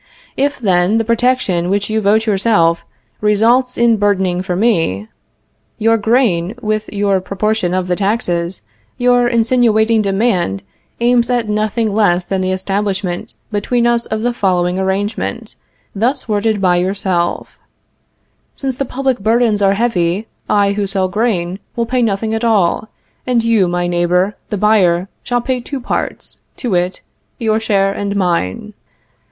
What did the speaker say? If, then, the protection which you vote yourself results in burdening for me, your grain with your proportion of the taxes, your insinuating demand aims at nothing less than the establishment between us of the following arrangement, thus worded by yourself: "Since the public burdens are heavy, I, who sell grain, will pay nothing at all; and you, my neighbor, the buyer, shall pay two parts, to wit, your share and mine."